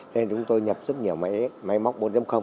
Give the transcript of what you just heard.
nên chúng tôi nhập rất nhiều máy móc bốn